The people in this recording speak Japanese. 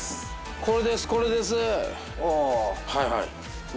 これですこれです。